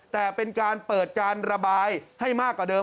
แต่เป็นการเปิดการระบายให้มากกว่าเดิม